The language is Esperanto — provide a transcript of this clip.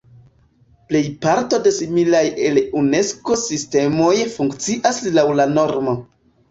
Plejparto de similaj al Unikso sistemoj funkcias laŭ la normo.